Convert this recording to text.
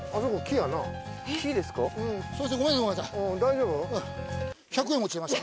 大丈夫？